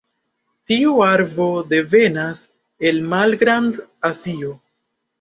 Tiu arbo devenas el Malgrand-Azio.